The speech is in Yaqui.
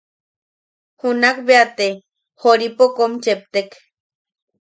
Junakbeate Joripote kom cheptek.